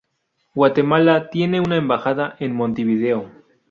Guatemala tiene una embajada en Montevideo.